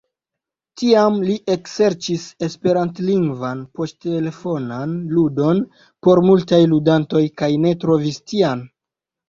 Tiam li ekserĉis esperantlingvan poŝtelefonan ludon por multaj ludantoj, kaj ne trovis tian.